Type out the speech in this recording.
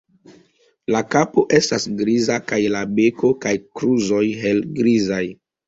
La kapo estas griza kaj la beko kaj kruroj helgrizaj.